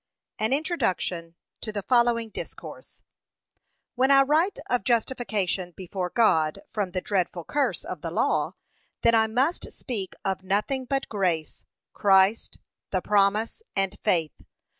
AN INTRODUCTION TO THE FOLLOWING DISCOURSE When I write of justification before God from the dreadful curse of the law; then I must speak of nothing but grace, Christ, the promise, and faith.